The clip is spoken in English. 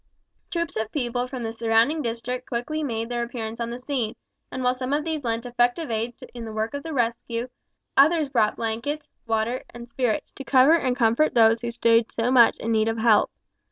Troops of people from the surrounding district quickly made their appearance on the scene, and while some of these lent effective aid in the work of rescue, others brought blankets, water, and spirits, to cover and comfort those who stood so much in need of help.